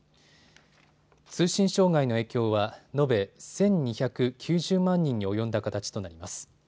通信障害の影響は延べ１２９０万人に及んだ形となります。